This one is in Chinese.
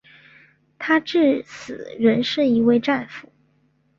他至死仍是一位战俘。